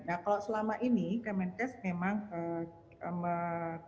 nah kalau selama ini kementerian kesehatan dan pemerintah memang